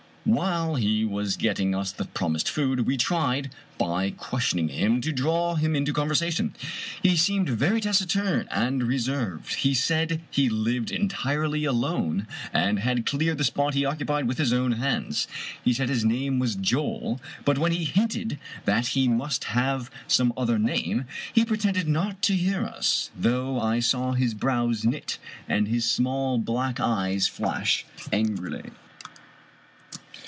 While he was getting us the promised food, we tried, by questioning him, to draw him into conversation. He seemed very taciturn and reserved. He said he lived entirely alone, and had cleared the spot he occupied with his own hands. He said his name was Joel, but when we hinted that he must have some other name, he pretended not to hear us, though I saw his brows knit, and his small black eyes SI Irish Mystery Stories flash angrily.